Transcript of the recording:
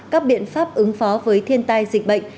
các biện pháp ứng phó với thiên tai dịch bệnh